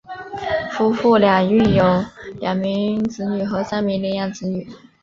夫妇俩育有两名子女和三名领养子女。